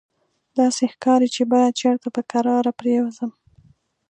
داسې ښکاري چې باید چېرته په کراره پرېوځم.